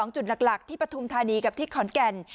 จุดหลักที่ปฐุมธานีกับที่ขอนแก่น